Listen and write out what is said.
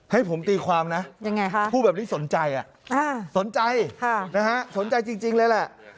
ให้ผมตีความนะผู้แบบนี้สนใจสนใจสนใจจริงเลยล่ะค่ะ